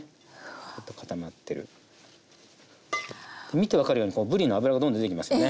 見て分かるようにこうぶりの脂がどんどん出てきますよね。